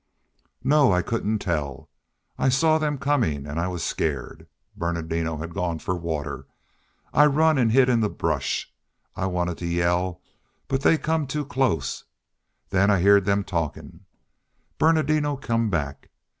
"No. I couldn't tell. I saw them comin' an' I was skeered. Bernardino had gone fer water. I run an' hid in the brush. I wanted to yell, but they come too close.... Then I heerd them talkin'. Bernardino come back.